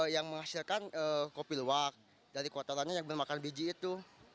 yang menghasilkan kopi luwak dari kota tani yang bermakan biji itu